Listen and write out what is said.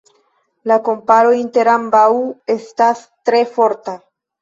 La komparo inter ambaŭ estas tre forta.